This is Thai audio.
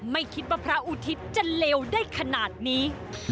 ไม่คิดว่าพระอุทิศจะเลวได้ขนาดนี้